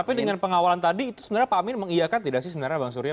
tapi dengan pengawalan tadi itu sebenarnya pak amin mengiakan tidak sih sebenarnya bang surya